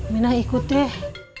minah ikut deh